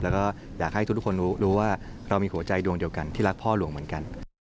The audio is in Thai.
แล้วก็อยากให้ทุกคนรู้ว่าเรามีหัวใจดวงเดียวกันที่รักพ่อหลวงเหมือนกัน